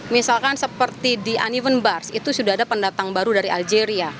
misalkan seperti di univern bars itu sudah ada pendatang baru dari algeria